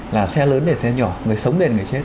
là xe lớn để xe nhỏ người sống lên người chết